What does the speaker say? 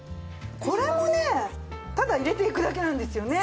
これもねただ入れていくだけなんですよね。